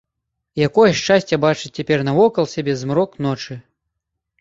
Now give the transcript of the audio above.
Якое шчасце бачыць цяпер навокал сябе змрок ночы!